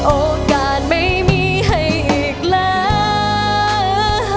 โอกาสไม่มีให้อีกแล้ว